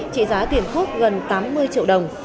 trị giá tiền thuốc gần tám mươi triệu đồng